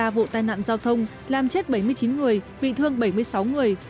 ba vụ tai nạn giao thông làm chết bảy mươi chín người bị thương bảy mươi sáu người